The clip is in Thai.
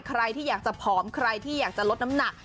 ใครที่อยากจะผอมใครที่อยากจะลดน้ำหนัก